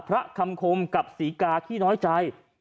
พระคำคมกับศรีกาขี้น้อยใจ